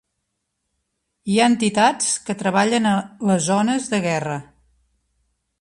Hi ha entitats que treballen a les zones de guerra.